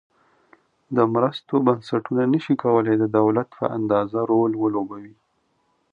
د مرستو بنسټونه نشي کولای د دولت په اندازه رول ولوبوي.